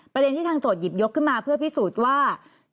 ประเด็นที่ทางโจทยิบยกขึ้นมาเพื่อพิสูจน์ว่า